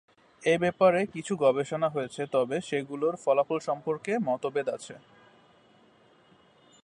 এ ব্যাপারে কিছু গবেষণা হয়েছে, তবে সেগুলোর ফলাফল সম্পর্কে মতভেদ আছে।